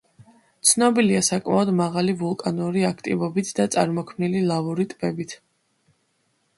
ცნობილია საკმაოდ მაღალი ვულკანური აქტივობით და წარმოქმნილი ლავური ტბებით.